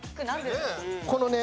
このね